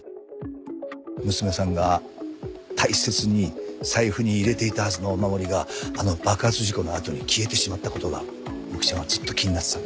娘さんが大切に財布に入れていたはずのお守りがあの爆発事故のあとに消えてしまった事が大木ちゃんはずっと気になってた。